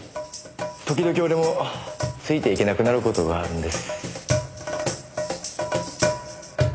時々俺もついていけなくなる事があるんです。